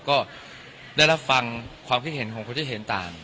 ก็ได้รับฟังความคิดเห็นของคนที่เห็นต่าง